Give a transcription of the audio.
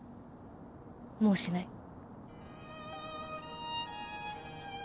もうしない。